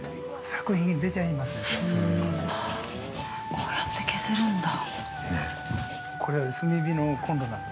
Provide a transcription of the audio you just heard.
◆こうやって削るんだ。